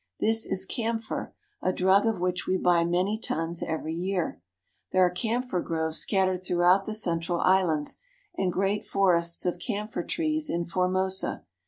This is camphor, a drug of which we buy many tons every year. There are camphor groves scat tered throughout the central islands, and great forests of camphor trees in Formosa.